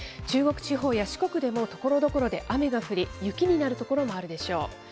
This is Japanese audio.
中国地方や四国でもところどころで雨が降り、雪になる所もあるでしょう。